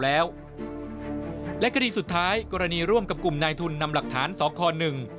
แล้วและคดีสุดท้ายกรณีร่วมกับกลุ่มนายทุนนำหลักฐานสคหนึ่ง